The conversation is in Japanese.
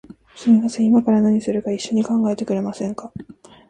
すみません、いまから何するか一緒に考えてくれませんか？